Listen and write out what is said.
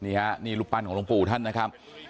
นี่ครับนี่รุปปันของลงปู่ท่านนะครับ